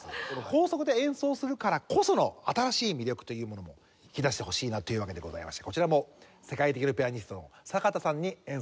高速で演奏するからこその新しい魅力というものも引き出してほしいなというわけでございましてこちらも世界的なピアニストの阪田さんに演奏して頂きます。